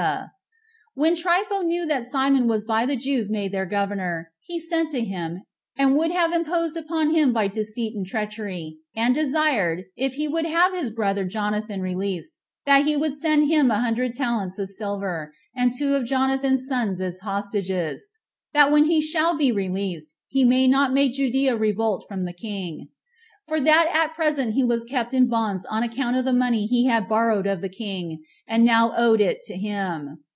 And when Trypho knew that Simon was by the Jews made their governor, he sent to him, and would have imposed upon him by deceit and trenchery, and desired, if he would have his brother Jonathan released, that he would send him a hundred talents of silver, and two of Jonathan's sons as hostages, that when he shall be released, he may not make Judea revolt from the king; for that at present he was kept in bonds on account of the money he had borrowed of the king, and now owed it to him.